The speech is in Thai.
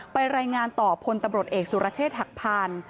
รายงานต่อพลตำรวจเอกสุรเชษฐ์หักพาน